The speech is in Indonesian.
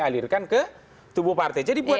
alirkan ke tubuh partai jadi boleh